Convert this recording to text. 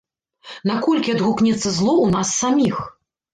Наколькі адгукнецца зло ў нас саміх?